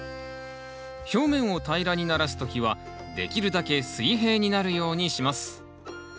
表面を平らにならす時はできるだけ水平になるようにします